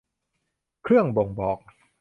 เครื่องบ่งบอก